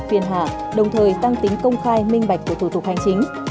phiền hạ đồng thời tăng tính công khai minh bạch của thủ tục hành chính